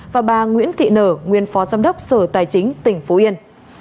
và bà nguyễn thị nở nguyên phó giám đốc sở tài chính tỉnh phú yên